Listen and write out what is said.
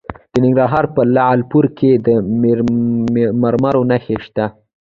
د ننګرهار په لعل پورې کې د مرمرو نښې شته.